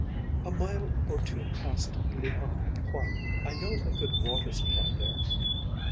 "A mile or two past Llhan Huang. I know a good water supply there."